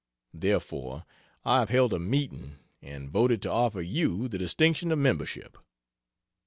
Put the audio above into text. Therefore, I have held a meeting and voted to offer you the distinction of membership.